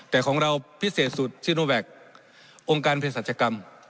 แต่ของเราพิเศษสุดซีโนแวคองค์การเพศรัชกรรม